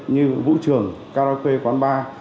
như vũ trường karaoke quán bar